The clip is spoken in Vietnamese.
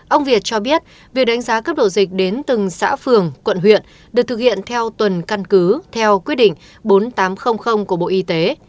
ông việt cho biết việc đánh giá cấp độ dịch đến từng xã phường quận huyện được thực hiện theo tuần căn cứ theo quyết định bốn nghìn tám trăm linh của bộ y tế